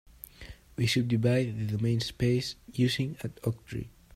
We subdivide the domain space using an octree.